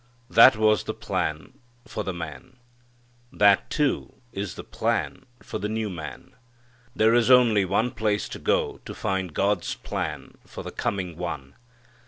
That was the plan for the man. That, too, is the plan for the new Man. There is only one place to go to find God's plan for the coming One.